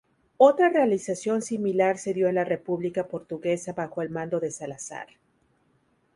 Otra realización similar se dio en la República Portuguesa bajo el mando de Salazar.